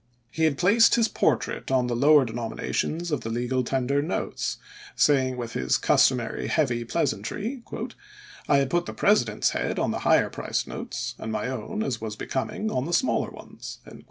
He had placed his portrait on the lower denominations of the legal tender notes, saying with his customary heavy pleasantry, " I had put the President's head on the higher priced notes, and my own, as was becoming, on the smaller ones."